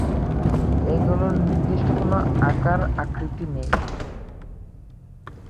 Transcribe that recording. এগুলোর নির্দিষ্ট কোনো আকার, আাকৃতি নেই।